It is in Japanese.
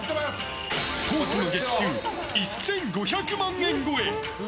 当時の月収１５００万円超え！